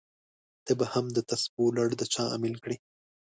ته به هم دتسبو لړ د چا امېل کړې!